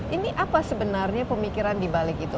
ini apa sebenarnya pemikiran di balik itu